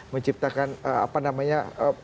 menciptakan apa namanya